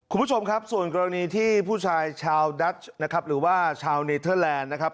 คุณผู้ชมครับส่วนกรณีที่ผู้ชายชาวดัชนะครับหรือว่าชาวเนเทอร์แลนด์นะครับ